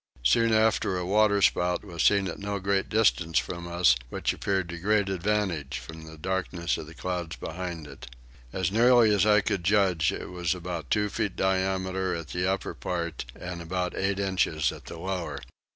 Soon after a water spout was seen at no great distance from us, which appeared to great advantage from the darkness of the clouds behind it. As nearly as I could judge it was about two feet diameter at the upper part, and about eight inches at the lower.